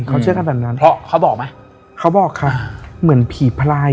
เขาเชื่อกันแบบนั้นเพราะเขาบอกไหมเขาบอกค่ะเหมือนผีพลาย